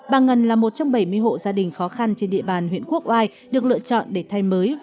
bà ngân là một trong bảy mươi hộ gia đình khó khăn trên địa bàn huyện quốc oai được lựa chọn để thay mới